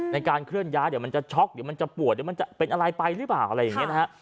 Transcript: ในการเคลื่อนย้ายเดี๋ยวมันจะช็อกเดี๋ยวมันจะปวดเดี๋ยวมันจะเป็นอะไรไปหรือเปล่าอะไรอย่างนี้นะฮะ